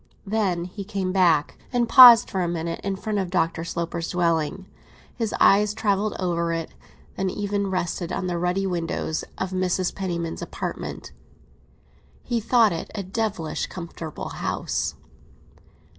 Then he came back, and paused for a minute in front of Dr. Sloper's dwelling. His eyes travelled over it; they even rested on the ruddy windows of Mrs. Penniman's apartment. He thought it a devilish comfortable house.